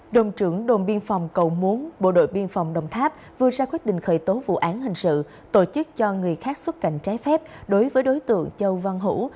đồn trưởng đồn biên phòng cầu muốn bộ đội biên phòng đồng tháp vừa ra quyết định khởi tố vụ án hình sự tổ chức cho người khác xuất cảnh trái phép đối với đối tượng châu văn hữu